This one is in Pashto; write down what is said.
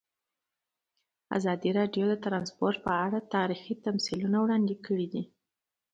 ازادي راډیو د ترانسپورټ په اړه تاریخي تمثیلونه وړاندې کړي.